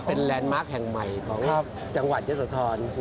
เป็นแลนด์มาร์คแห่งใหม่ของจังหวัดเยอะโสธร